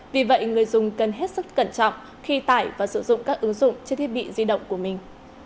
vì vậy người dùng cần hết sức cẩn trọng khi tải và sử dụng các ứng dụng trên thiết bị di động của mình